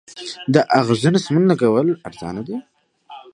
د اغزنو سیمونو لګول ارزانه دي؟